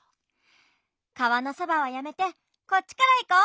川のそばはやめてこっちからいこう。